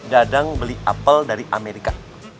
dadang beli apel dari amerika